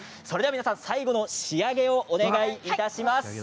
それでは皆さん最後の仕上げをお願いいたします。